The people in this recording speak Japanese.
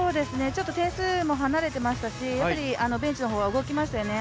ちょっと点数も離れてましたしベンチの方は動きましたよね。